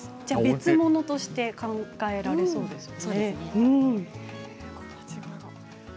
別物として考えられそうですね。